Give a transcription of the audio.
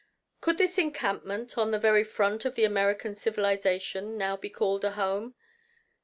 Could this encampment, on the very front of the American civilization, now be called a home?